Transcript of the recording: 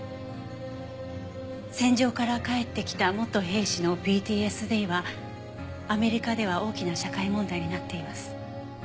戦場から帰ってきた元兵士のＰＴＳＤはアメリカでは大きな社会問題になっています。